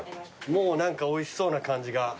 もう何かおいしそうな感じがするわ。